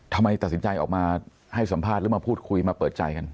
ทำไมตัดสินใจออกมาให้สัมภาษณ์หรือมาพูดคุยมาเปิดใจกัน